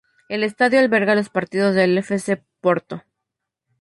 El estadio alberga los partidos del F. C. Porto.